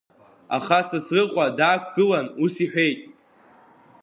Аха Сасрыҟәа даақәгылан, ус иҳәеит…